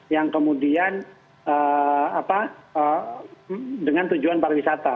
yang kemudian dengan tujuan pariwisata